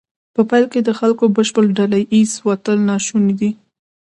په پیل کې د خلکو بشپړ ډله ایز وتل ناشونی دی.